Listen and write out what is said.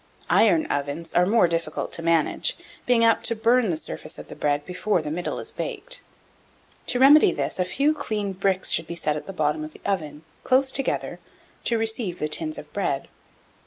Iron ovens are more difficult to manage, being apt to burn the surface of the bread before the middle is baked. To remedy this, a few clean bricks should be set at the bottom of the oven, close together, to receive the tins of bread.